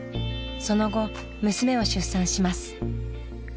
［その後娘を出産します］